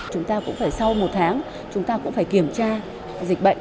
chúng ta cũng phải sau một tháng chúng ta cũng phải kiểm tra dịch bệnh